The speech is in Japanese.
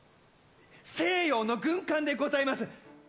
西洋の軍艦でございます。